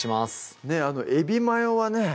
えびマヨはね